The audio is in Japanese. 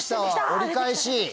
折り返し。